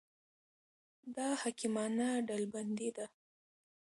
دا حکیمانه ډلبندي ده.